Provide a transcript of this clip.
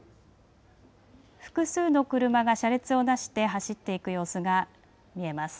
複数の車が車列をなして走っていく様子が見えます。